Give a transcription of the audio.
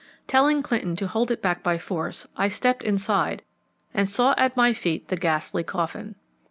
Telling Clinton to hold it back by force, I stepped inside and saw at my feet the ghastly coffin.